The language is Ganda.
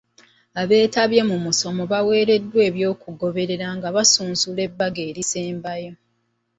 Abeetabye mu musomo baaweereddwa eby'okugoberera nga basunsula ebbago erisembayo.